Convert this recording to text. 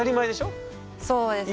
そうですね。